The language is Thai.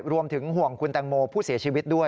รวมถึงห่วงคุณแตงโมผู้เสียชีวิตด้วย